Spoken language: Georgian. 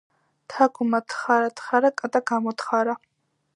თაგვმა თხარა თხარა, კატა გამოთხარა.